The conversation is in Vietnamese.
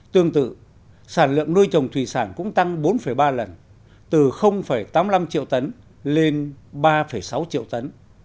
tương tự sản lượng nuôi trồng thủy sản cũng tăng bốn ba lần từ tám mươi năm triệu tấn lên ba sáu triệu tấn